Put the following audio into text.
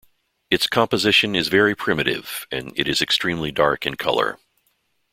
Its composition is very primitive and it is extremely dark in color.